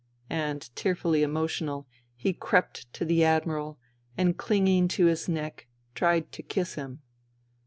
And, tearfully emotional, he crept to the Admiral, and clinging to his neck tried to kiss him.